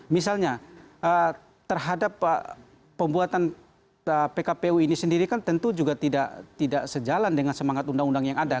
misalnya terhadap pembuatan pkpu ini sendiri kan tentu juga tidak sejalan dengan semangat undang undang yang ada